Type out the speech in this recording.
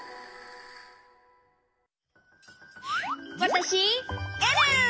わたしえるえる！